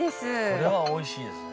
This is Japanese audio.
これはおいしいですね。